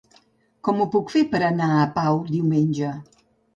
Com ho puc fer per anar a Pau diumenge?